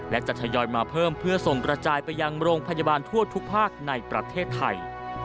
และจะทยอยมาเพิ่มเพื่อส่งกระจายไปยังโรงพยาบาลทั่วทุกภาคในประเทศไทย